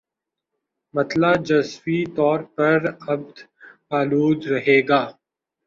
مطلع جزوی طور پر ابر آلود رہے گا